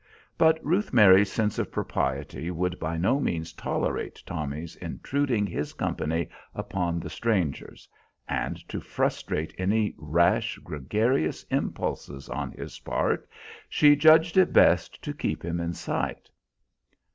But Ruth Mary's sense of propriety would by no means tolerate Tommy's intruding his company upon the strangers, and to frustrate any rash, gregarious impulses on his part she judged it best to keep him in sight.